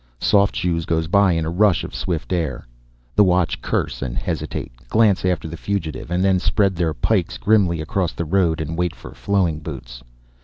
Soft Shoes goes by in a rush of swift air. The watch curse and hesitate, glance after the fugitive, and then spread their pikes grimly across the road and wait for Flowing Boots.